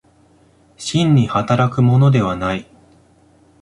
真に働くものではない。